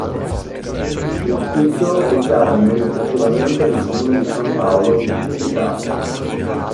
Il sito ricade amministrativamente nel comune di San Paolo di Civitate.